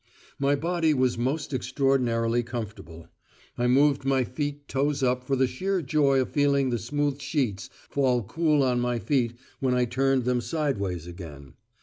My body was most extraordinarily comfortable. I moved my feet toes up for the sheer joy of feeling the smooth sheets fall cool on my feet when I turned them sideways again.